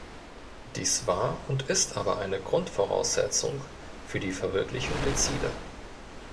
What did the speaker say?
Dies war und ist aber eine Grundvoraussetzung für die Verwirklichung der Ziele.